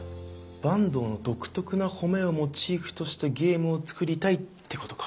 坂東の独特な褒めをモチーフとしたゲームを作りたいってことか。